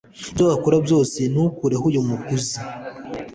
ibyo wakora byose, ntukureho uyu mugozi